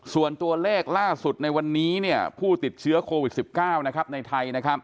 ส่วนตัวเลขล่าสุดในวันนี้ผู้ติดเชื้อโควิด๑๙ในไทย